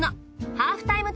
ハーフタイム